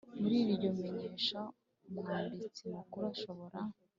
muri iryo menyesha Umwanditsi Mukuru ashobora